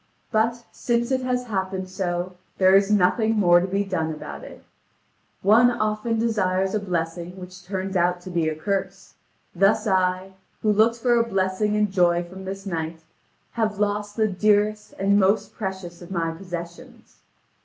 But since it has happened so, there is nothing more to be done about it. One often desires a blessing which turns out to be a curse; thus I, who looked for a blessing and joy from this knight, have lost the dearest and most precious of my possessions.